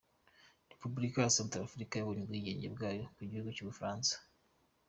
Repubulika ya Centre-Africa yabonye ubwigenge bwayo ku gihugu cy’u Bufaransa.